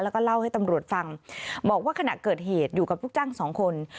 แล้วก็เล่าให้ตำรวจฟังบอกว่าขณะเกิดเหตุอยู่กับลูกจ้างสองคน